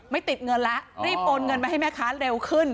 ไม่ติดเงินแล้วรีบโอนเงินไปให้แม่ค้าเร็วขึ้น